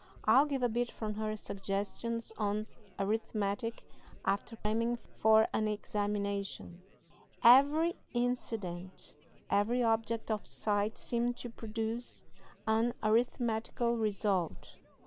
I'll give a bit from her "Suggestions on Arithmetic after Cramming for an Examination": "Every incident, every object of sight seemed to produce an arithmetical result.